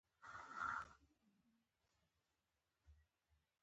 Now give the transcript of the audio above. دریو میاشتو کې دننه ـ دننه پاکستان سره سوداګریز حسابونه تصفیه کړئ